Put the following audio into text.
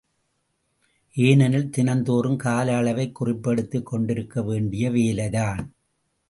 ஏனெனில் தினந்தோறும், கால அளவைக் குறிப்பெடுத்துக் கொண்டிருக்க வேண்டிய வேலைதான்.